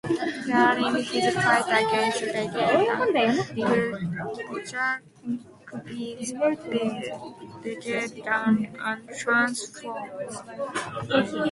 During his fight against Vegeta, Bojack beats Vegeta down and transforms.